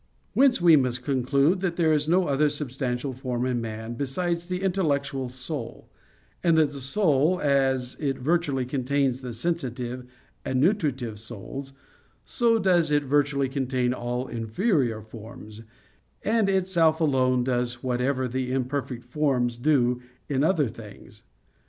Whence we must conclude, that there is no other substantial form in man besides the intellectual soul; and that the soul, as it virtually contains the sensitive and nutritive souls, so does it virtually contain all inferior forms, and itself alone does whatever the imperfect forms do in other things.